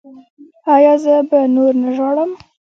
ایا زه به نور نه ژاړم؟